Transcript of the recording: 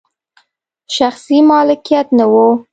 شخصي مالکیت نه و.